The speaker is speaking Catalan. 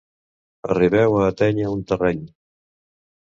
Arribeu a atènyer un terreny.